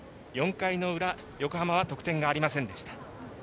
４回の裏、横浜は得点がありませんでした。